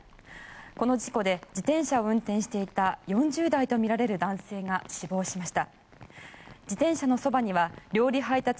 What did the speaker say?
この事故で自転車を運転していた４０代とみられる男性が死亡しました。